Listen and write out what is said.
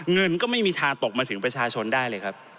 เงินก็ไม่มีทางตกมาถึงประชาชนได้เลยครับ